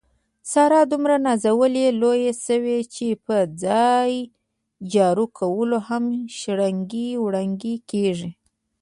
ساره دومره نازولې لویه شوې، چې په ځای جارو کولو هم شړانګې وړانګې کېږي.